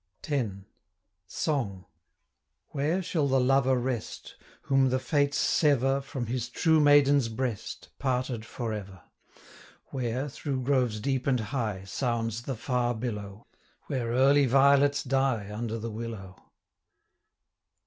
X. Song Where shall the lover rest, Whom the fates sever From his true maiden's breast, 150 Parted for ever? Where, through groves deep and high, Sounds the far billow, Where early violets die, Under the willow.